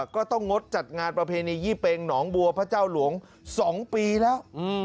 ก็ต้องงดจัดงานประเพณียี่เป็งหนองบัวพระเจ้าหลวง๒ปีแล้ว